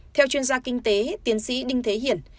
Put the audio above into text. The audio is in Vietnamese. theo chuyên gia kinh tế tiến sĩ đinh thế hiển